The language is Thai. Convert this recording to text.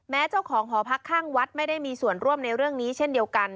เจ้าของหอพักข้างวัดไม่ได้มีส่วนร่วมในเรื่องนี้เช่นเดียวกัน